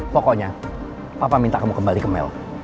pokoknya papa minta kamu kembali ke mel